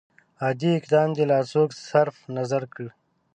عادي اقدام دې لا څوک صرف نظر کړي.